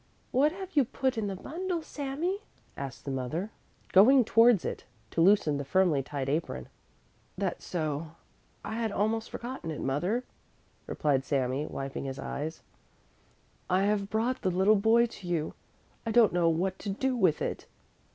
"What have you put in the bundle, Sami?" asked the mother, going towards it, to loosen the firmly tied apron. "That's so, I had almost forgotten it, mother," replied Sami, wiping his eyes, "I have brought the little boy to you, I don't know what to do with it."